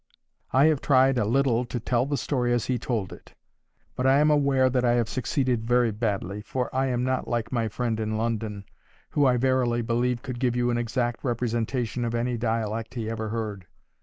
I have tried a little to tell the story as he told it. But I am aware that I have succeeded very badly; for I am not like my friend in London, who, I verily believe, could give you an exact representation of any dialect he ever heard.